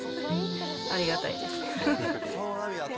ありがたいです。